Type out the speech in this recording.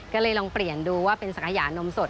ก็เลยลองเปลี่ยนดูว่าเป็นสังขยานมสด